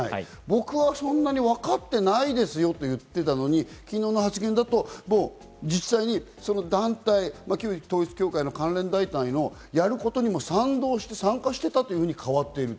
僕はそんなにわかってないですよと言っていたのに、昨日の発言だと実際にその団体、旧統一教会の関連団体のやることにも賛同して参加してたというふうに変わっている。